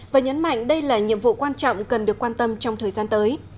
và nhấn mạnh đây là nhiệm vụ quan trọng cần được quan tâm trong thời gian tới